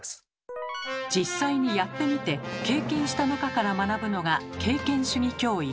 実際にやってみて経験した中から学ぶのが「経験主義教育」。